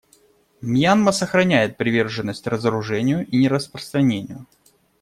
Мьянма сохраняет приверженность разоружению и нераспространению.